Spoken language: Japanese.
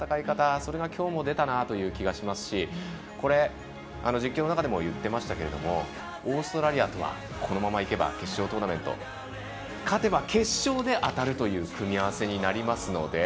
それが、きょうも出たなという気がしますし実況の中でも言っていましたけれどもオーストラリアとはこのままいけば決勝トーナメント勝てば決勝で当たるという組み合わせになりますので。